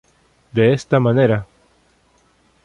De esta manera.